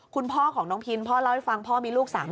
คุณพ่อของน้องพินพ่อเล่าให้ฟังพ่อมีลูก๓คน